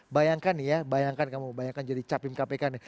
bayangkan nih ya bayangkan kamu bayangkan jadi capim kpk nih